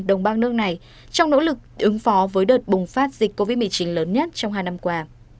đồng bang nước này trong nỗ lực ứng phó với đợt bùng phát dịch covid một mươi chín lớn nhất trong hai năm qua